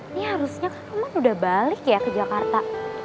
ini harusnya kan emang udah balik ya ke jakarta